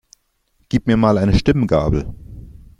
Gib mir mal eine Stimmgabel.